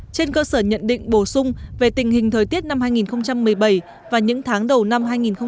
trên cơ sở nhận định bổ sung về tình hình thời tiết năm hai nghìn một mươi bảy và những tháng đầu năm hai nghìn một mươi tám